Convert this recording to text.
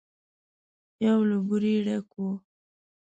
يو له بورې ډک و.